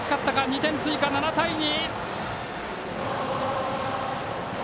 ２点追加、７対２。